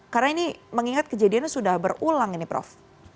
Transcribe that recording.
karena ini mengingat kejadiannya sudah berulang ini prof